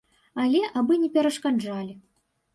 Але абы не перашкаджалі.